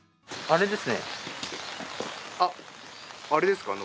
あれですね。